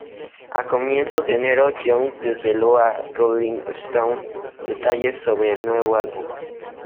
A comienzos de enero, Young desveló a "Rolling Stone" detalles sobre el nuevo álbum.